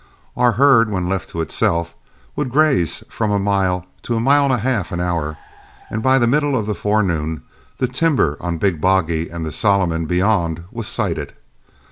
Our herd, when left to itself, would graze from a mile to a mile and a half an hour, and by the middle of the forenoon the timber on Big Boggy and the Solomon beyond was sighted.